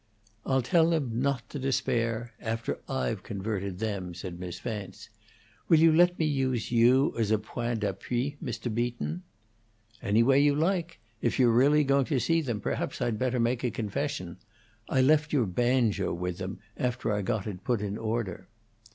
"I'll tell them not to despair after I've converted them," said Miss Vance. "Will you let me use you as a 'point d'appui', Mr. Beaton?" "Any way you like. If you're really going to see them, perhaps I'd better make a confession. I left your banjo with them, after I got it put in order."